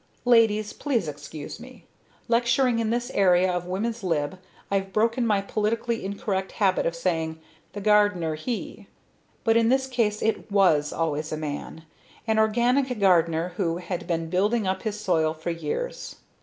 Ladies, please excuse me. Lecturing in this era of women's lib I've broken my politically incorrect habit of saying "the gardener, he ..." but in this case it _was _always a man, an organic gardener who had been building up his soil for years.